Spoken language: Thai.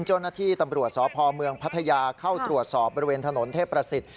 โจรณที่ตำรวจสอบภอมเมืองพัทยาเข้าตรวจสอบบริเวณถนนเทพประสิรภน์